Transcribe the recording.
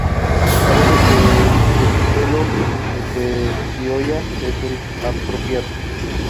Parece que el epíteto "heterophylla" es el apropiado.